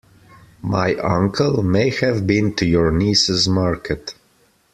My uncle may have been to your niece's market.